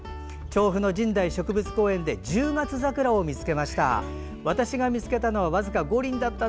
調布の神代植物公園でジュウガツザクラを見つけました。